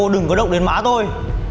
đừng có độc đến má tôi